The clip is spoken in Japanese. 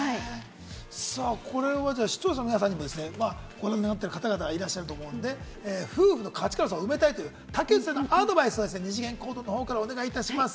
これは視聴者の皆さんにもですね、ご覧になってる方々いらっしゃると思うので、夫婦の価値観の差を埋めたいという竹内さんのアドバイスを二次元コードの方からお願いします。